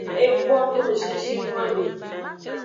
Ekpo no ngzinzin noame.